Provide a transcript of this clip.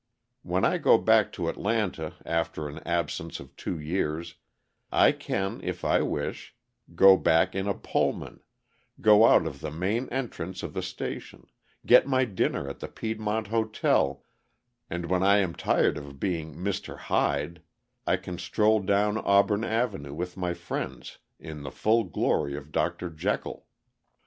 When I go back to Atlanta after an absence of two years, I can, if I wish, go back in a Pullman, go out of the main entrance of the station, get my dinner at the Piedmont Hotel, and when I am tired of being Mr. Hyde, I can stroll down Auburn Avenue with my friends in the full glory of Dr. Jekyll.